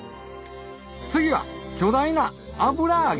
次は巨大な油揚げ